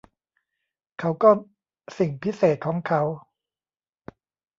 เขาก็สิ่งพิเศษของเขา